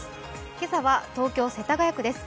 今朝は東京・世田谷区です。